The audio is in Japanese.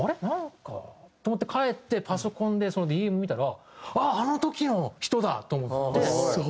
なんかと思って帰ってパソコンでそのＤＭ見たらあっあの時の人だ！と思って。